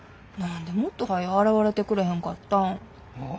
何でもっとはよ現れてくれへんかったん。